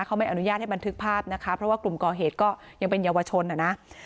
เขาไม่อนุญาตให้บันทึกภาพนะคะเพราะว่ากลุ่มก่อเหตุก็ยังเป็นเยาวชนอ่ะนะ